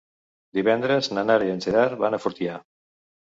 Divendres na Nara i en Gerard van a Fortià.